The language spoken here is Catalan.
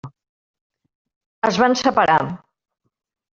Es van separar.